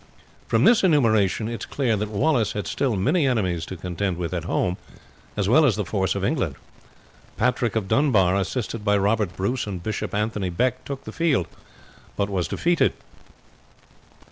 From this enumeration it is clear that Wallace had still many enemies to contend with at home as well as the force of England. Patrick of Dunbar, assisted by Robert Bruce and Bishop Anthony Beck, took the field, but was defeated.